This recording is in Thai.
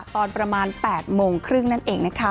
ตอนประมาณ๘โมงครึ่งนั่นเองนะคะ